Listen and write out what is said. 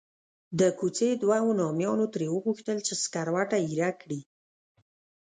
د کوڅې دوو نامیانو ترې وغوښتل چې سکروټه ایره کړي.